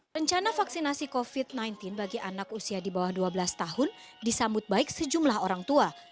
rencana vaksinasi covid sembilan belas bagi anak usia di bawah dua belas tahun disambut baik sejumlah orang tua